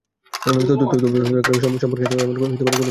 তবে হত্যার কারণ সম্পর্কে এখন পর্যন্ত পুলিশ কোনো কিছু বলতে পারেনি।